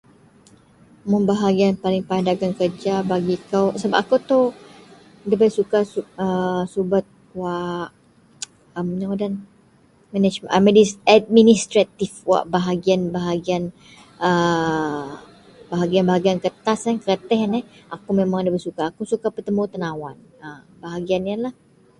Mun bahagian paling dagen kerja bagi ako sebab ako ito dabei suka subet wak ino ngadan administrative wak bahagian bahagian a bahagian bahagian keretas atau keretaih iyen akou memeng da suka akou suka batemu tenawan bahagian iyenlah.